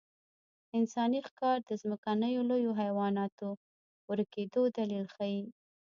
انساني ښکار د ځمکنیو لویو حیواناتو ورکېدو دلیل ښيي.